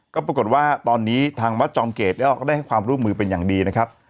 ก็ปรากฏว่าตอนนี้ทางวัดจอมเกตได้ให้ความร่วมมือเป็นอย่างดีนะครับ